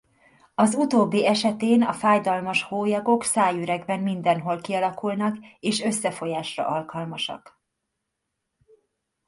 Az utóbbi esetén a fájdalmas hólyagok szájüregben mindenhol kialakulnak és összefolyásra alkalmasak.